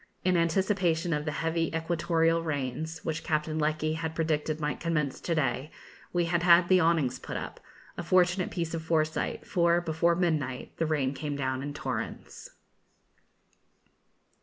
In anticipation of the heavy equatorial rains, which Captain Lecky had predicted might commence to day, we had had the awnings put up; a fortunate piece of foresight, for, before midnight, the rain came down in torrents.